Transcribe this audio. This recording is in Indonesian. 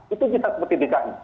itu bisa seperti dki